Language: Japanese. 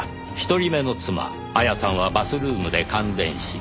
１人目の妻亞矢さんはバスルームで感電死。